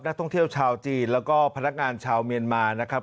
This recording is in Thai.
นักท่องเที่ยวชาวจีนแล้วก็พนักงานชาวเมียนมานะครับ